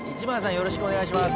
よろしくお願いします。